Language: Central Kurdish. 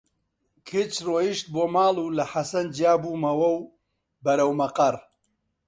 کچ ڕۆیشت بۆ ماڵ و لە حەسەن جیا بوومەوە و بەرەو مەقەڕ